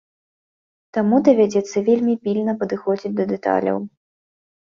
Таму давядзецца вельмі пільна падыходзіць да дэталяў.